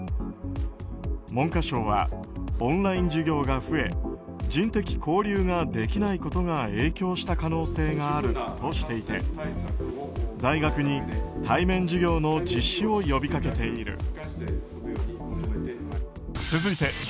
文科省は、オンライン授業が増え人的交流ができないことが影響した可能性があるとしていて大学に対面授業の実施を呼びかけている。